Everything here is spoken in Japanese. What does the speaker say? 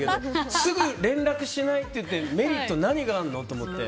すぐ連絡しないメリットって何があるの？と思って。